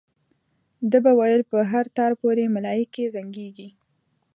ده به ویل په هر تار پورې ملایکې زنګېږي.